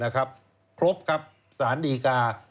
ครบครับสารดีกา